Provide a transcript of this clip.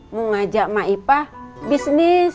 mau ngajak maipah bisnis